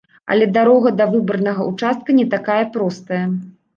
Але дарога да выбарнага ўчастка не такая простая.